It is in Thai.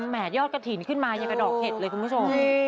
แห่ยอดกระถิ่นขึ้นมายังกระดอกเห็ดเลยคุณผู้ชม